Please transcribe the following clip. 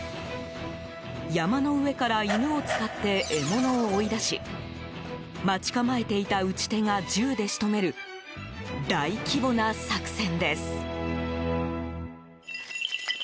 山の上から犬を使って獲物を追い出し待ち構えていた撃ち手が銃で仕留める大規模な作戦です。